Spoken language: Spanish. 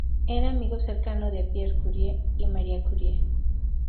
Era amigo cercano de Pierre Curie y Marie Curie.